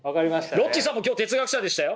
ロッチさんも今日哲学者でしたよ。